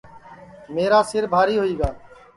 میرا سِر بھاری ہوئی گا